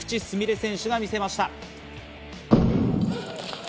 純礼選手が見せました。